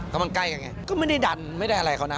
ก็มันใกล้กันไงก็ไม่ได้ดันไม่ได้อะไรเขานะ